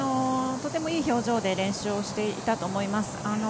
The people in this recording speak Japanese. とてもいい表情で練習をしていたと思います。